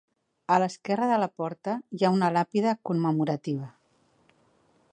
A l'esquerra de la porta hi ha una làpida commemorativa.